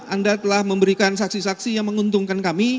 anda telah memberikan saksi saksi yang menguntungkan kami